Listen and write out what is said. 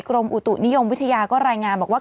กรมอุตุนิยมวิทยาก็รายงานบอกว่า